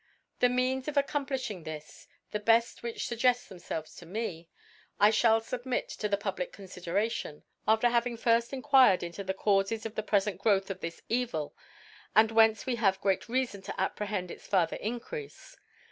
The Means of ac complilbing this (the bed which fugged themfelves to me) I (hall fubmit to the pub lic Confideration, after having firft enquir ed into the Caufes of the prefcnt Growth of ihis Evil, and whence wc have great Reafon to (5) to apprehend its further Increafe.